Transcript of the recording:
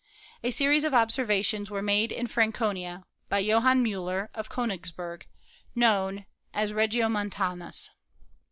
A series of observations were made in Franconia by Johann Miiller, of Konigsberg, known as Regiomontanus.